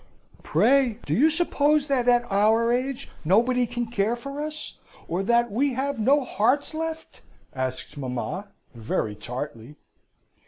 "Pray, do you suppose that at our age nobody can care for us, or that we have no hearts left?" asks mamma, very tartly.